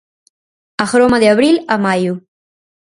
Agroma de abril a maio.